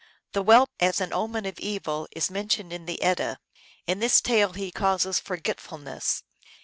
The whelp, as an omen of evil, is mentioned in the Edda. In this tale he causes forgetfulness.